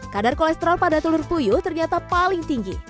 kadar kolesterol pada telur puyuh ternyata paling tinggi